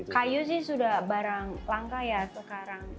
kayu sih sudah barang langka ya sekarang